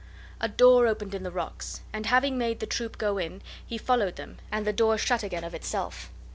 A door opened in the rocks, and having made the troop go in, he followed them, and the door shut again of itself.